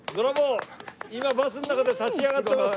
今バスの中で立ち上がってます。